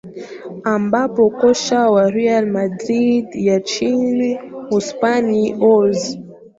ambapo kocha wa real madrid ya nchini uspania hose